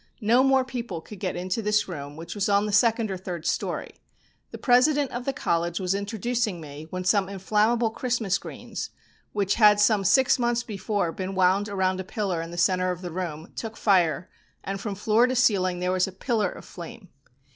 No more people could get into this room, which was on the second or third storey. The President of the college was introducing me when some inflammable Christmas greens, which had some six months before been wound around a pillar in the centre of the room, took fire, and from floor to ceiling there was a pillar of flame.